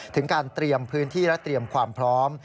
ถึงการเตรียมพื้นที่และเตรียมความพร้อม